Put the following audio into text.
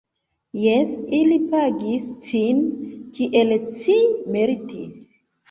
Jes, ili pagis cin, kiel ci meritis!